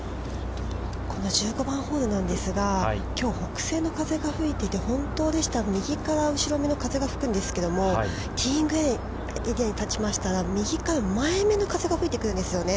◆この１５番ホールなんですがきょう、北西の風が吹いていて、本当でしたら右から後ろ目の風が吹くんですけれどもティーイングエリアに立ちましたら、右から前目の風が吹いてくるんですよね。